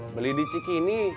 beli di cikini